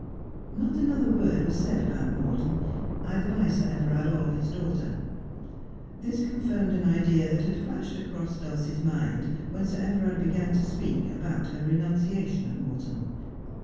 Not another word was said about Morton, either by Sir Everard or his daughter. This confirmed an idea that had flashed across Dulcie's mind when Sir Everard began to speak about her renunciation of Morton.